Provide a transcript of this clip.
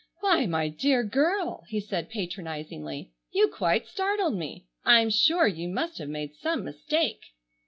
"Why, my dear girl," he said patronizingly, "you quite startled me! I'm sure you must have made some mistake!"